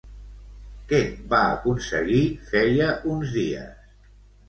Què va aconseguir feia uns dies?